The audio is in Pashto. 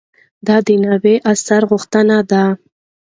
دا د نوي عصر غوښتنه ده.